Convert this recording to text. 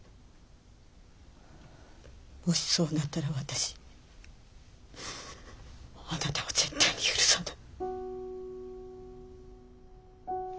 もしそうなったら私あなたを絶対に許さない。